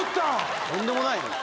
とんでもないよ。